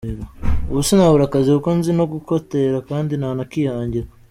Ubu sinabura akazi kuko nzi no gukotera kandi nanakihangira.